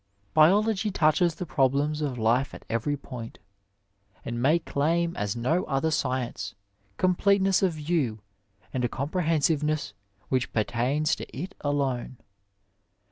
^ Biology touches the problems of life at every point, and may daim, as no other science, completeness of view and & comprehenaivenesB which pertains to it alone.